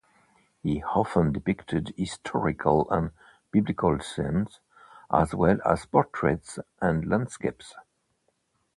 He often depicted historical and biblical scenes, as well as portraits and landscapes.